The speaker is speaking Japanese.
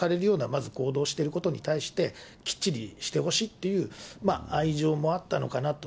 まず、行動をしてることに対して、きっちりしてほしいっていう愛情もあったのかなと。